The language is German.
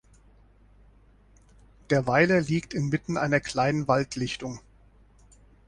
Der Weiler liegt inmitten einer kleinen Waldlichtung.